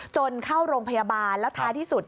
เข้าโรงพยาบาลแล้วท้ายที่สุด